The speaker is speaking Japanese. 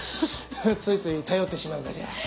ついつい頼ってしまうがじゃ。